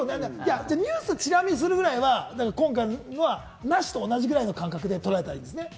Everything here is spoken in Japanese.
ニュースをチラ見するぐらいは、なしと同じぐらいの感覚でとらえたらいいんですね。